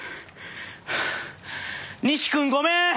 西君ごめん。